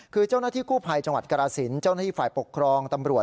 คือเจ้าหน้าที่กู้ภัยจังหวัดกรสินเจ้าหน้าที่ฝ่ายปกครองตำรวจ